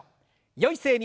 よい姿勢に。